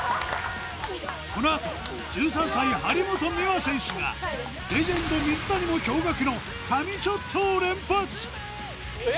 このあと１３歳張本美和選手がレジェンド水谷も驚愕の神ショットを連発！